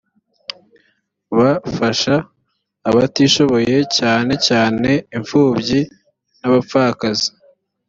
bfasha abatishoboye cyane cyane impfubyi n’abapfakazi